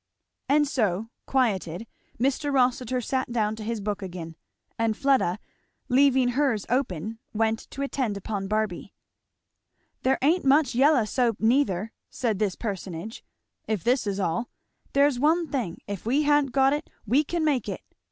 And so, quieted, Mr. Rossitur sat down to his book again; and Fleda leaving hers open went to attend upon Barby. "There ain't much yallow soap neither," said this personage, "if this is all. There's one thing if we ha'n't got it we can make it.